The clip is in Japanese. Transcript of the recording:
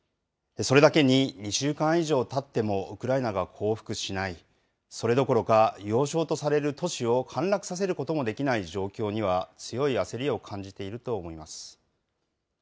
それだけに２週間以上たってもウクライナが降伏しない、それどころか要衝とされる都市を陥落させることもできない状況には、強い焦りを感じていると思います。